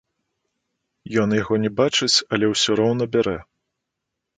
Ён яго не бачыць, але ўсё роўна бярэ.